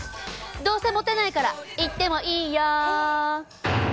どうせモテないから行ってもいいよ！